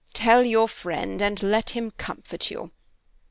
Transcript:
Tell your friend, and let him comfort you."